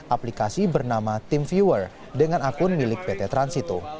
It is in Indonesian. aplikasi bernama team viewer dengan akun milik pt transito